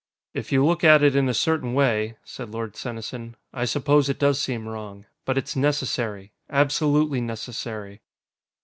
"If you look at it in a certain way," said Lord Senesin, "I suppose it does seem wrong. But it's necessary. Absolutely necessary."